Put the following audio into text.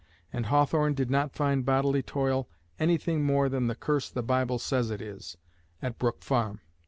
And Hawthorne did not find bodily toil anything more than the curse the Bible says it is, at Brook Farm.